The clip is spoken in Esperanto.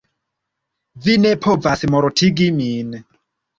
Vi ne povas mortigi min!